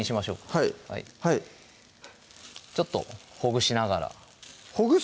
はいちょっとほぐしながらほぐす？